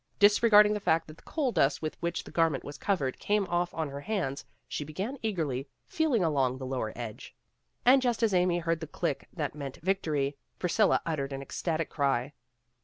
Disregarding the fact that the coal dust with which the gar ment was covered came off on her hands, she began eagerly feeling along the lower edge. And just as Amy heard the click that meant victory, Priscilla uttered an ecstatic cry.